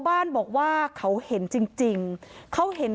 ไม่ใช่ไม่ใช่ไม่ใช่